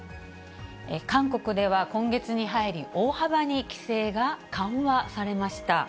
韓国では今月に入り、大幅に規制が緩和されました。